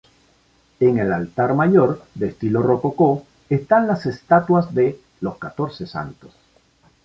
En el altar mayor, de estilo rococó, están las estatuas de los catorce santos.